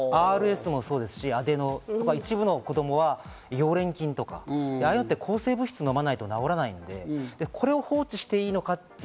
ＲＳもそうですし、アデノ、一部の子供は溶連菌、抗生物質を飲まないと治らないので、これを放置していいのか。